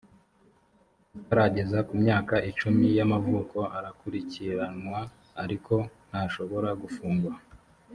utarageza ku myaka icumi y’ amavuko arakurikiranwa ariko ntashobora gufungwa